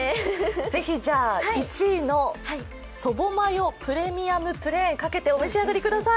ぜひ１位のそぼマヨプレミアム・プレーンをかけてお召し上がりください。